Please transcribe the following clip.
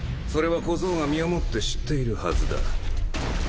それは小僧が身をもって知っているはずだ。